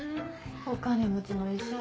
お金持ちの医者